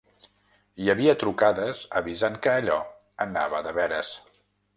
Hi havia trucades avisant que allò anava de veres.